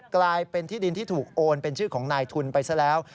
กลายเป็นที่ดินที่ถูกโอนเป็นชื่อของนายทุนไปซะแล้ว